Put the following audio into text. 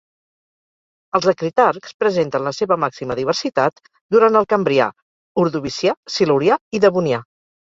Els acritarcs presenten la seva màxima diversitat durant el cambrià, Ordovicià, Silurià i Devonià.